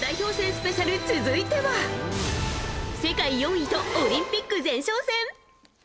スペシャル続いては世界４位とオリンピック前哨戦。